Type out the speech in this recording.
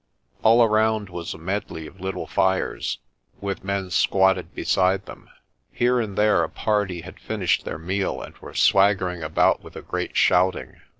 All around was a medley of little fires, with men squatted be side them. Here and there a party had finished their meal and were swaggering about with a great shouting.